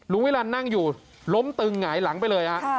วิรันนั่งอยู่ล้มตึงหงายหลังไปเลยฮะ